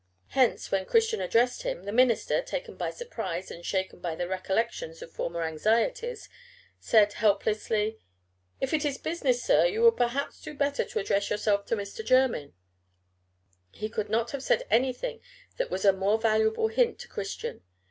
Hence, when Christian addressed him, the minister, taken by surprise and shaken by the recollections of former anxieties, said, helplessly "If it is business, sir, you would perhaps do better to address yourself to Mr. Jermyn." He could not have said anything that was a more valuable hint to Christian.